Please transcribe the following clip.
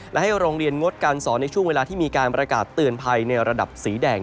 และให้โรงเรียนงดการสอนในช่วงเวลาที่มีการประกาศเตือนภัยในระดับสีแดง